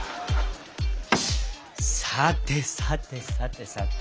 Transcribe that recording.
さてさてさてさて。